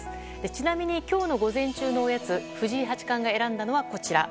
ちなみに今日の午前中のおやつ藤井八冠が選んだのは、こちら。